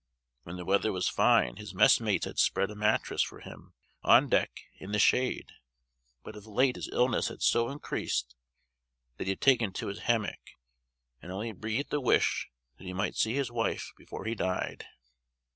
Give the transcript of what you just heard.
When the weather was fine, his messmates had spread a mattress for him on deck in the shade, but of late his illness had so increased that he had taken to his hammock, and only breathed a wish that he might see his wife before he died.